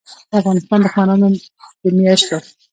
دافغانستان دښمنانودمیاشتو